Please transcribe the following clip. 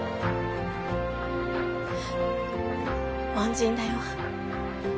恩人だよ。